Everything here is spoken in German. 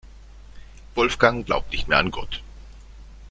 Wolfgang glaubt nicht mehr an Gott.